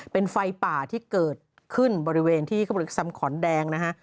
เป็นไฟป่าที่เกิดขึ้นบริเวณที่เขาบริกสำขอนแดงนะฮะ